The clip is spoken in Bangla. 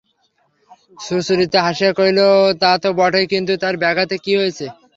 সুচরিতা হাসিয়া কহিল, তা তো বটেই, কিন্তু তার ব্যাঘাত কি হয়েছে?